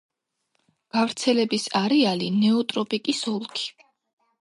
გავრცელების არეალი ნეოტროპიკის ოლქი.